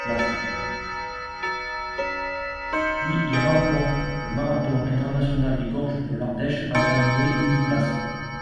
Puis il remporte le marathon international des gorges de l'Ardèche en canoë uniplace.